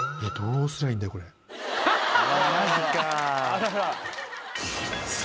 マジか。